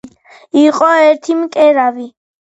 იყო ერთი მკერავი,